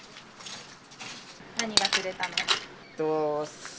何が釣れたの？